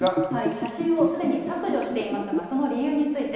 写真をすでに削除していますが、その理由について。